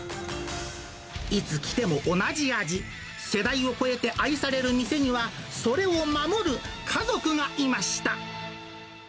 いつ来ても同じ味、世代を超えて愛される店には、それを守る家族がいました。